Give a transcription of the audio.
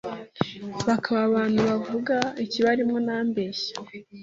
bakaba abantu bavuga ikibarimo nta mbebya,